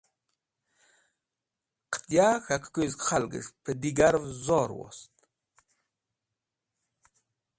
Qẽtya k̃hakẽkũzg khalges̃h pẽ digarẽv zorwost.